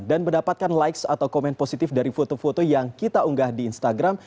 dan mendapatkan likes atau komen positif dari foto foto yang kita unggah di instagram